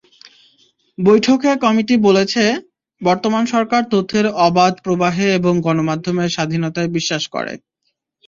বৈঠকে কমিটি বলেছে, বর্তমান সরকার তথ্যের অবাধ প্রবাহে এবং গণমাধ্যমের স্বাধীনতায় বিশ্বাস করে।